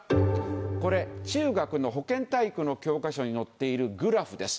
これ中学の保健体育の教科書に載っているグラフです。